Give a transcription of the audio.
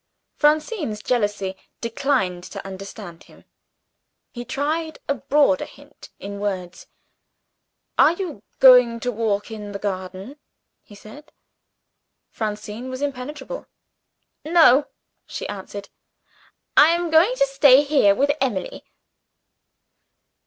Francine's jealousy declined to understand him. He tried a broader hint, in words. "Are you going to walk in the garden?" he said. Francine was impenetrable. "No," she answered, "I am going to stay here with Emily."